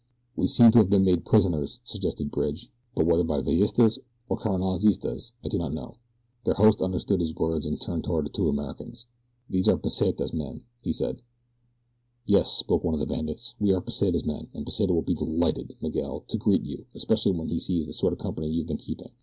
"We seem to have been made prisoners," suggested Bridge; "but whether by Villistas or Carranzistas I do not know." Their host understood his words and turned toward the two Americans. "These are Pesita's men," he said. "Yes," spoke up one of the bandits, "we are Pesita's men, and Pesita will be delighted, Miguel, to greet you, especially when he sees the sort of company you have been keeping.